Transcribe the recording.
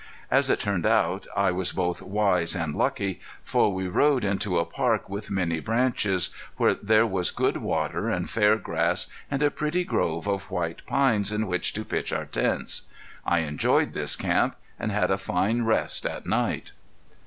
As it turned out I was both wise and lucky, for we rode into a park with many branches, where there was good water and fair grass and a pretty grove of white pines in which to pitch our tents. I enjoyed this camp, and had a fine rest at night.